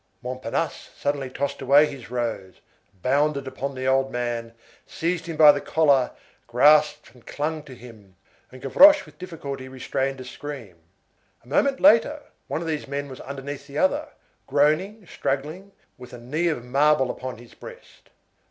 Montparnasse suddenly tossed away his rose, bounded upon the old man, seized him by the collar, grasped and clung to him, and Gavroche with difficulty restrained a scream. A moment later one of these men was underneath the other, groaning, struggling, with a knee of marble upon his breast.